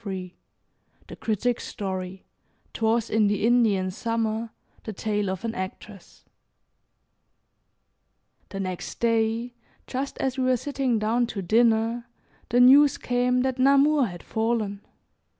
III THE CRITIC'S STORY 'TWAS IN THE INDIAN SUMMER THE TALE OF AN ACTRESS The next day, just as we were sitting down to dinner, the news came that Namur had fallen.